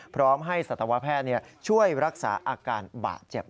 พร้อมให้สัตวแพทย์ช่วยรักษาอาการบาดเจ็บ